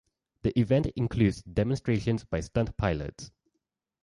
The event includes demonstrations by stunt pilots.